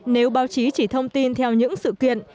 nếu báo chí chỉ thông tin theo những sự kiện